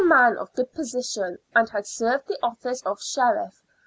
man of good position, and had served the office of Sheriff.